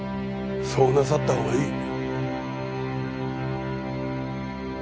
そうなさった方がいい。